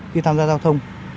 khi tham gia giao thông